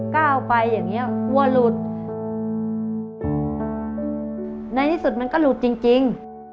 ก้าวไปอย่างเงี้ยกลัวหลุดในที่สุดมันก็หลุดจริงจริง